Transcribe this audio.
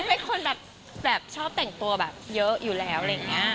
เป็นคนแบบชอบแต่งตัวแบบเยอะอยู่แล้วอะไรอย่างนี้